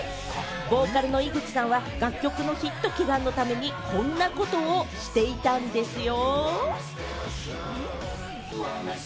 ボーカルの井口さんは楽曲のヒット祈願のために、こんなことをしていたんですよ。